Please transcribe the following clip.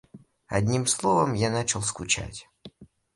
Одним словом, я начал скучать.